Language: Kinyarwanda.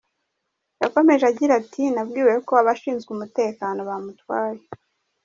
Yakomeje agira ati “Nabwiwe ko abashinzwe umutekano bamutwaye.